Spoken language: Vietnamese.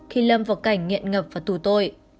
khi lâm vào cảnh nghiện ngập và tù tội